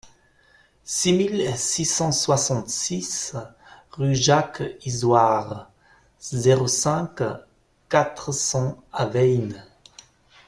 six mille six cent soixante-six rue Jacques Isoard, zéro cinq, quatre cents à Veynes